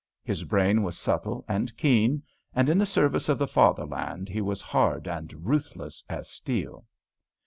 His brain was subtle and keen, and in the service of the Fatherland he was hard and ruthless as steel.